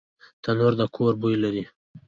تنور د کور بوی لري